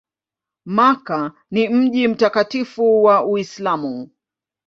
Makka ni mji mtakatifu wa Uislamu.